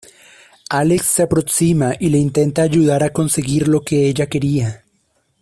Alex se aproxima y le intenta ayudar a conseguir lo que ella quería.